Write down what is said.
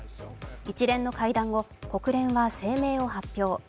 一連の会談後、国連は声明を発表。